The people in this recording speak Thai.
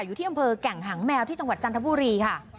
อยู่ที่อำเภอแก่งหางแมวที่จังหวัดจันทบุรีค่ะ